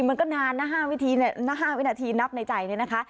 มันก็นานนะ๕วินาทีนับในใจเลยนะคะ